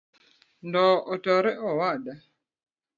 Ndoo otore owada